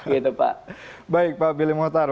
gitu pak baik pak bill motar